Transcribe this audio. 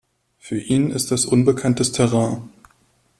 Für ihn ist das unbekanntes Terrain.